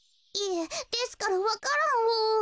いえですからわか蘭を。